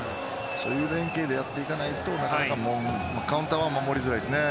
そういう連係でやっていかないとなかなかカウンターは守りづらいですよね。